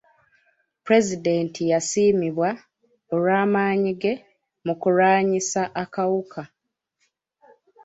Pulezidenti yasiimibwa olw'amaanyi ge mu kulwanyisa akawuka.